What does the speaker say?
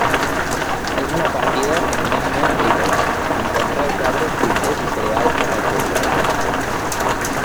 És una partida eminentment agrícola, amb conreus d'arbres fruiters i cereal farratger sobretot.